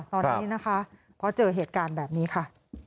ตอนนี้นะคะเพราะเจอเหตุการณ์แบบนี้ค่ะ